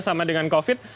sama dengan covid